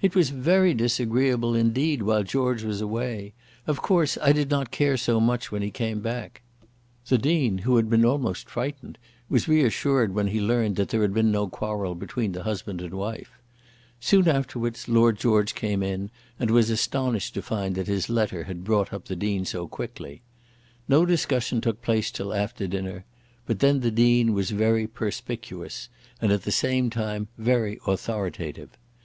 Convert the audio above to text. "It was very disagreeable, indeed, while George was away. Of course I did not care so much when he came back." The Dean, who had been almost frightened, was reassured when he learned that there had been no quarrel between the husband and wife. Soon afterwards Lord George came in and was astonished to find that his letter had brought up the Dean so quickly. No discussion took place till after dinner, but then the Dean was very perspicuous, and at the same time very authoritative.